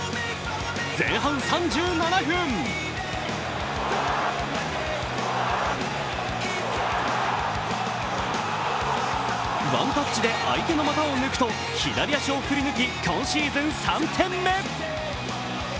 前半３７分ワンタッチで相手の股を抜くと左足を振り抜き、今シーズン３点目。